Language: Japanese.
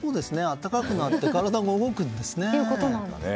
暖かくなって体も動くんですね。